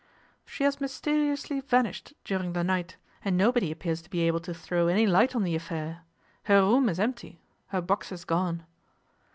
'She has mysteriously vanished during the night, and nobody appears to be able to throw any light on the affair. Her room is empty, her boxes gone.